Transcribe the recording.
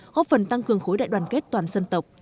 góp phần tăng cường khối đại đoàn kết toàn dân tộc